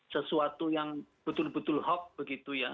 sesuatu yang betul betul hoax begitu ya